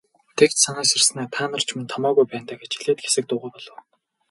Тэгж санааширснаа "Та нар мөн ч томоогүй байна даа" гэж хэлээд хэсэг дуугүй болов.